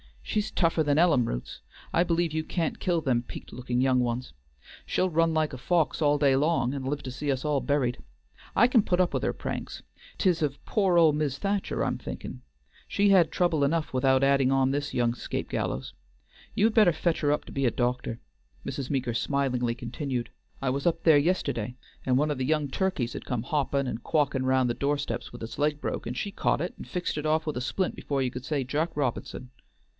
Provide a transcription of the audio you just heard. "She's tougher than ellum roots. I believe you can't kill them peakèd looking young ones. She'll run like a fox all day long and live to see us all buried. I can put up with her pranks; 't is of pore old Mis' Thacher I'm thinkin'. She's had trouble enough without adding on this young 'scape gallows. You had better fetch her up to be a doctor," Mrs. Meeker smilingly continued, "I was up there yisterday, and one of the young turkeys had come hoppin' and quawkin' round the doorsteps with its leg broke, and she'd caught it and fixed it off with a splint before you could say Jack Robi'son.